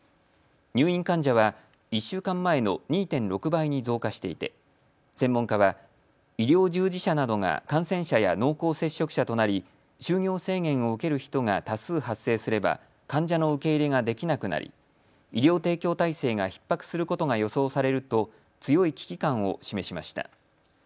入院患者は１週間前の２．６倍に増加していて専門家は、医療従事者などが感染者や濃厚接触者となり就業制限を受ける人が多数発生すれば患者の受け入れができなくなり医療提供体制がひっ迫することが予想されると強い危機感を示しました。